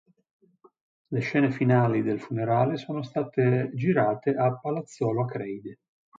Le scene finali del funerale sono state girate a Palazzolo Acreide.